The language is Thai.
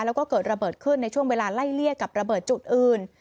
แล้วก็เกิดระเบิดขึ้นในช่วงเวลาไล่เลี่ยกับระเบิดจุดอื่น